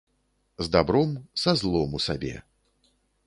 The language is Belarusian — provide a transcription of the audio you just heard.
З дабром, са злом у сабе.